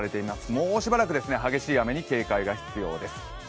もうしばらく激しい雨に警戒が必要です。